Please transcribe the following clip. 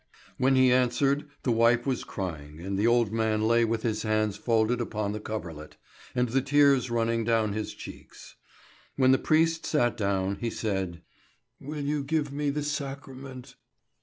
When he ended, the wife was crying, and the old man lay with his hands folded upon the coverlet, and the tears running down his cheeks. When the priest sat down, he said: "Will you give me the sacrament?"